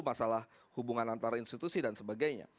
masalah hubungan antara institusi dan sebagainya